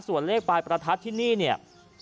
ส่วนเลขปลายประทัดที่นี่เนี่ย